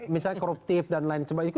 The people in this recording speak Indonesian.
misalnya koruptif dan lain sebagainya